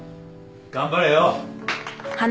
頑張れよ。